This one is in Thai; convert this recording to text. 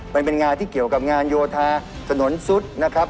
มันเป็นงานที่เกี่ยวกับงานโยธาถนนซุดนะครับ